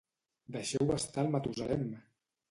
Deixeu estar el Matusalem!